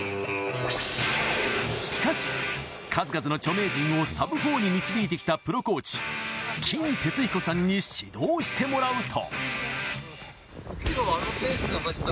しかし、数々の著名人をサブ４に導いてきたプロコーチ金哲彦さんに指導してもらうと。